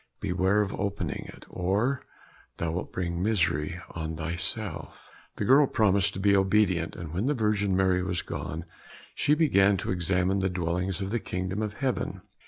Beware of opening it, or thou wilt bring misery on thyself." The girl promised to be obedient, and when the Virgin Mary was gone, she began to examine the dwellings of the kingdom of heaven.